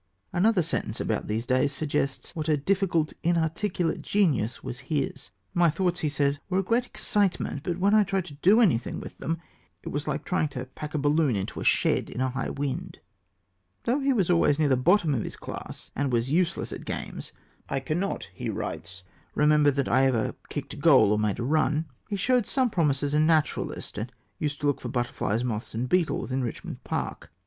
Another sentence about these days suggests what a difficult inarticulate genius was his. "My thoughts," he says, "were a great excitement, but when I tried to do anything with them, it was like trying to pack a balloon into a shed in a high wind." Though he was always near the bottom of his class, and was useless at games "I cannot," he writes, "remember that I ever kicked a goal or made a run" he showed some promise as a naturalist, and used to look for butterflies, moths, and beetles in Richmond Park.